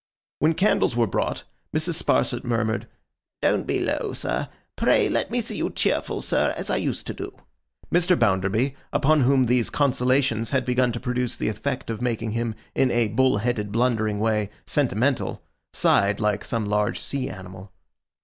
When candles were brought, Mrs. Sparsit murmured, 'Don't be low, sir. Pray let me see you cheerful, sir, as I used to do.' Mr. Bounderby, upon whom these consolations had begun to produce the effect of making him, in a bull headed blundering way, sentimental, sighed like some large sea animal.